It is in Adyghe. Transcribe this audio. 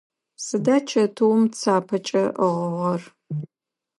Сыда чэтыум цапэкӏэ ыӏыгъыгъэр?